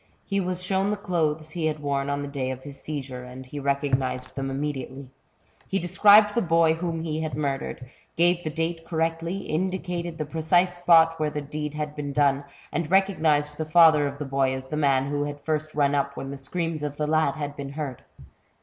He was shown the clothes he had worn on the day of his seizure, and he recognized them immediately ; he described the boy A CHAPTER OF HORRORS. 88 whom he had murdered, gave the date correctly, indi cated the precise spot where the deed had been done, and recognized the father of the boy as the man who had first run up when the screams of the lad had been heard.